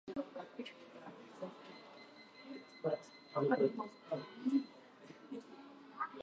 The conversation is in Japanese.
これまでの運航期間中、致命的な事故や航空機の全損に至るような重大事故は一度も発生しておらず、安全な運航を続けています。